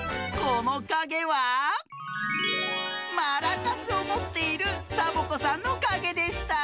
このかげはマラカスをもっているサボ子さんのかげでした！